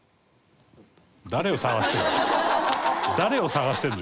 誰を探してるの？